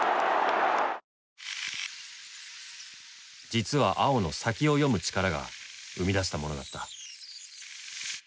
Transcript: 実は碧の“先を読む力”が生み出したものだった。